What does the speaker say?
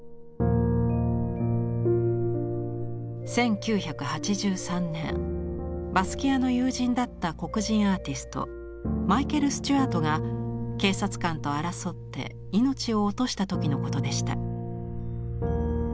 １９８３年バスキアの友人だった黒人アーティストマイケル・スチュワートが警察官と争って命を落とした時のことでした。